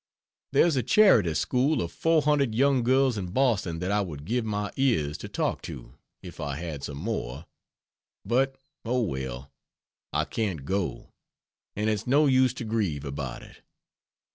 There's a charity school of 400 young girls in Boston that I would give my ears to talk to, if I had some more; but oh, well, I can't go, and it's no use to grieve about it.